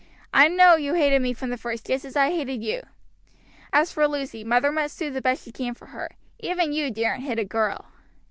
I know you hated me from the first just as I hated you. As for Lucy, mother must do the best she can for her. Even you daren't hit a girl."